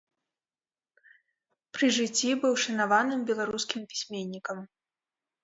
Пры жыцці быў шанаваным беларускім пісьменнікам.